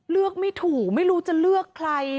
เลือกไม่ถูกไม่รู้จะเลือกใคร